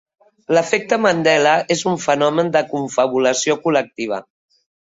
L'efecte Mandela, és un fenomen de confabulació col·lectiva.